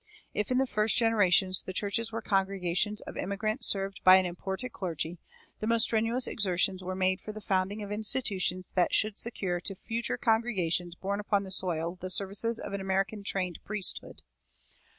If in the first generations the churches were congregations of immigrants served by an imported clergy, the most strenuous exertions were made for the founding of institutions that should secure to future congregations born upon the soil the services of an American trained priesthood.